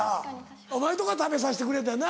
お前んとこは食べさせてくれたよな？